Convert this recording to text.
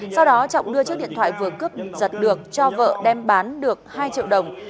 sau đó trọng đưa chiếc điện thoại vừa cướp giật được cho vợ đem bán được hai triệu đồng